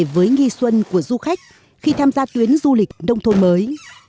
với nghi xuân của du khách khi tham gia tuyến du lịch nông thôn mới